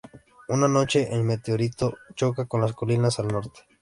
Una noche, un meteorito choca en las colinas al norte.